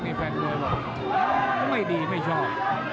นี่แฟนมวยบอกไม่ดีไม่ชอบ